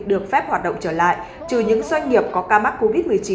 được phép hoạt động trở lại trừ những doanh nghiệp có ca mắc covid một mươi chín